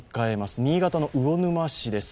新潟の魚沼市です。